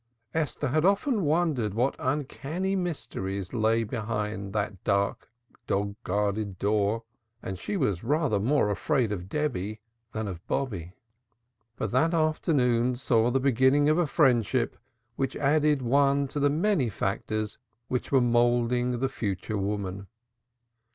Esther had often wondered what uncanny mysteries lay behind that dark dog guarded door and she was rather more afraid of Debby than of Bobby. But that afternoon saw the beginning of a friendship which added one to the many factors which were moulding the future woman.